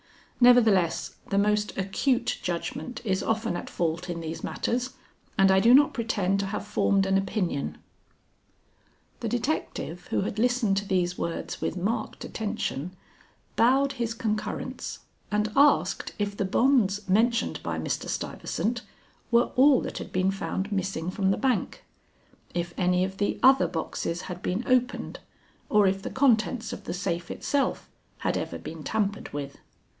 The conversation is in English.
Nevertheless the most acute judgment is often at fault in these matters, and I do not pretend to have formed an opinion." [Footnote 1: A fact.] The detective who had listened to these words with marked attention, bowed his concurrence and asked if the bonds mentioned by Mr. Stuyvesant were all that had been found missing from the bank. If any of the other boxes had been opened, or if the contents of the safe itself had ever been tampered with.